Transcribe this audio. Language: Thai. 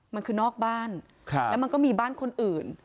มันคือนอกบ้านแล้วมันก็มีบ้านคนอื่น